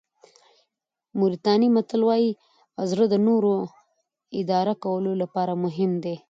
موریتاني متل وایي زړه د نورو اداره کولو لپاره مهم دی.